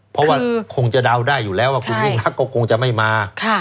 เพราะว่าคงจะเดาได้อยู่แล้วว่าคุณยิ่งรักก็คงจะไม่มา